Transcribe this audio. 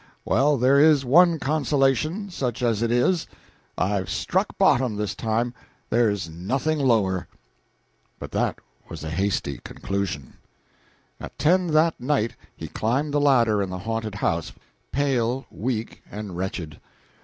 Well, there is one consolation, such as it is I've struck bottom this time; there's nothing lower." But that was a hasty conclusion. At ten that night he climbed the ladder in the haunted house, pale, weak and wretched.